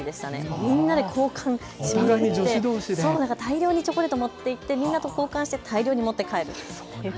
みんなで交換しまくって大量にチョコレートを持っていって大量に持って帰る。